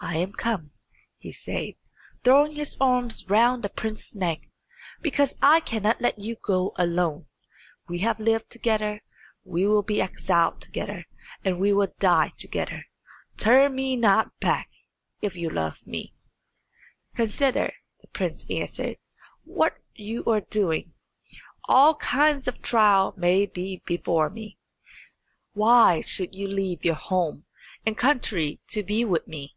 "I am come," he said, throwing his arms round the prince's neck, "because I cannot let you go alone. We have lived together, we will be exiled together, and we will die together. Turn me not back, if you love me." "Consider," the prince answered, "what you are doing. All kinds of trial may be before me. Why should you leave your home and country to be with me?"